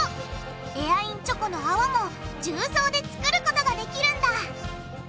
エアインチョコのあわも重曹で作ることができるんだ！